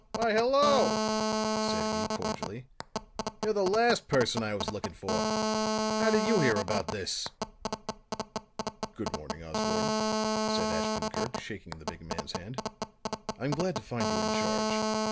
"Why, hello," said he, cordially. "You're the last person I was looking for. How did you hear about this?" "Good morning, Osborne," said Ashton Kirk, shaking the big man's hand. "I'm glad to find you in charge.